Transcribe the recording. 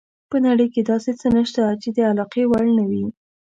په نړۍ کې داسې څه نشته چې د علاقې وړ نه وي.